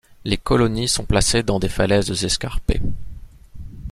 Les colonies sont placées dans des falaises escarpées.